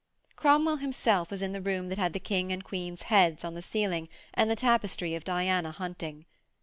Cromwell himself was in the room that had the King's and Queen's heads on the ceiling and the tapestry of Diana hunting.